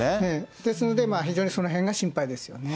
ですので、非常にそのへんが心配ですよね。